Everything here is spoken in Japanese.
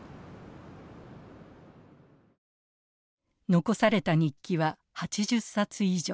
残された日記は８０冊以上。